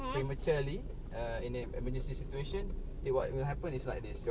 มีความละเอียดของสิสเต็ม